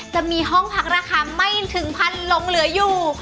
จะมีห้องพักราคาไม่ถึงพันลงเหลืออยู่